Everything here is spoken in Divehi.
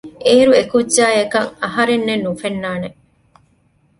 އޭރު އެކުއްޖާއަކަށް އަހަރެންނެއް ނުފެންނާނެ